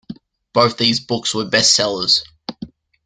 Both these books were bestsellers.